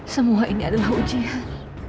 semua ini adalah ujian